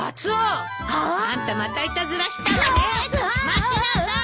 待ちなさーい！